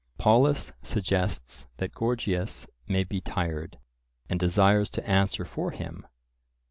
Polus suggests that Gorgias may be tired, and desires to answer for him.